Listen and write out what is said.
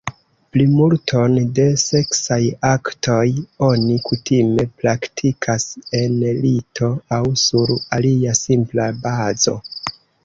Plimulton de seksaj aktoj oni kutime praktikas en lito aŭ sur alia simpla bazo.